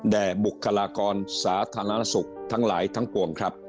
แด่บุคลากรศาสนสุขทั้งหลายทั้งปว่นครับ